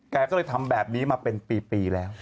แกก็เลยทำแบบนี้มาเป็นปีแล้ว